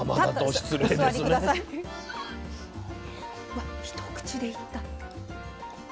わっ一口でいった。